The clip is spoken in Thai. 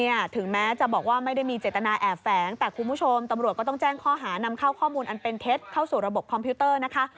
ถึงแม้จะบอกว่าไม่ได้มีเจตนาแอบแฝงแต่คุณผู้ชมตำรวจก็ต้องแจ้งข้อหานำเข้าข้อมูลอันเป็นเท็จเข้าสู่ระบบคอมพิวเตอร์นะคะ